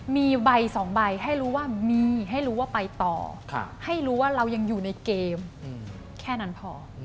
มีใบสองใบให้รู้ว่ามีให้รู้ว่าไปต่อให้รู้ว่าเรายังอยู่ในเกมแค่นั้นพอ